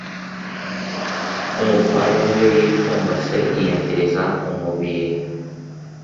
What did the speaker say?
umupfayongo iyo yipfumbase yiyangiriza umubiri